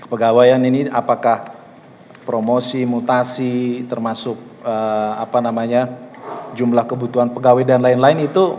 pegawaian ini apakah promosi mutasi termasuk jumlah kebutuhan pegawai dan lain lain itu